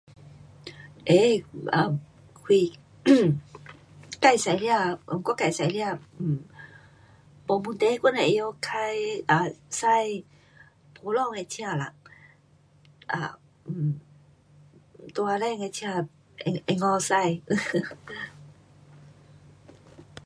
会，um um um 自驾车,我自驾车，um 没问题，我只能够开，驾普通的车啦，啊，um 大辆的车，甭敢驾。